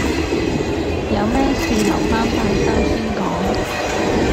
有咩事留返拜山先講